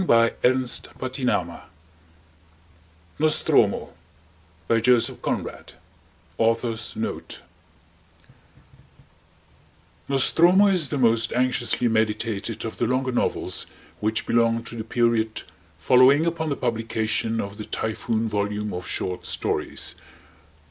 SHAKESPEARE TO JOHN GALSWORTHY AUTHOR'S NOTE "Nostromo" is the most anxiously meditated of the longer novels which belong to the period following upon the publication of the "Typhoon" volume of short stories.